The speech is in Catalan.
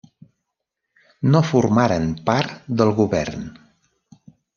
No formaren part del govern.